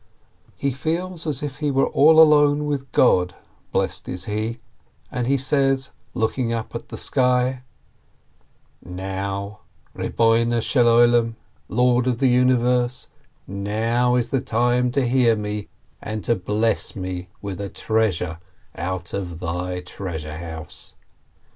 He feels as if he were all alone with God, blessed is He, and he says, looking up at the sky, "Now, Lord of the Universe, now is the time to hear me and to bless me with a treasure out of Thy treasure house